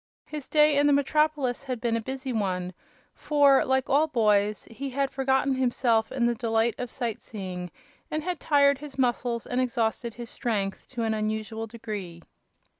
His day in the metropolis had been a busy one, for, like all boys, he had forgotten himself in the delight of sight seeing and had tired his muscles and exhausted his strength to an unusual degree.